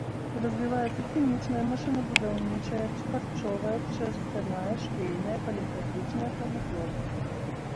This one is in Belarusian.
Развіваецца хімічная, машынабудаўнічая, харчовая, шарсцяная, швейная, паліграфічная прамысловасць.